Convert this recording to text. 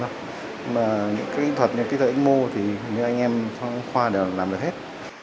nhưng mà những cái kỹ thuật như kỹ thuật ảnh mô thì những anh em trong khoa đều làm được hết